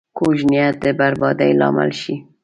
کوږ نیت د بربادۍ لامل شي